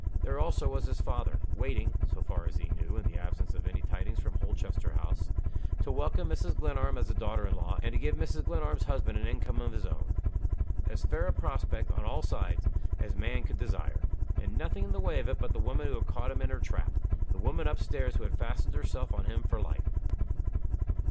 There also was his father, waiting (so far as he knew, in the absence of any tidings from Holchester House) to welcome Mrs. Glenarm as a daughter in law, and to give Mrs. Glenarm's husband an income of his own. As fair a prospect, on all sides, as man could desire. And nothing in the way of it but the woman who had caught him in her trap the woman up stairs who had fastened herself on him for life.